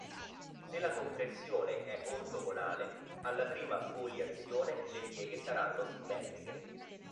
Se la compressione è ortogonale alla prima foliazione le pieghe saranno simmetriche.